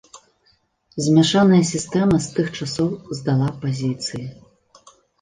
Змяшаная сістэма з тых часоў здала пазіцыі.